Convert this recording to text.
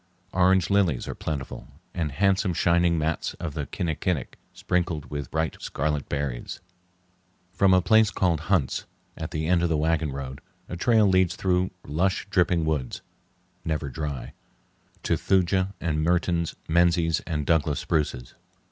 Orange lilies are plentiful, and handsome shining mats of the kinnikinic, sprinkled with bright scarlet berries. From a place called "Hunt's," at the end of the wagon road, a trail leads through lush, dripping woods (never dry) to Thuja and Mertens, Menzies, and Douglas spruces.